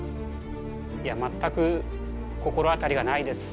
いや全く心当たりがないです。